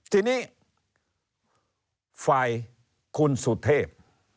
ทีนี้ไฟคุณสุธป